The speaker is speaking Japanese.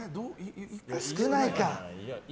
少ないか。